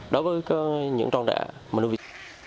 đối với những con đà mà nuôi vịt